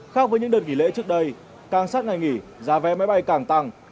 khác với những đợt nghỉ lễ trước đây càng sát ngày nghỉ giá vé máy bay càng tăng